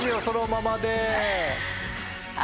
そのままで。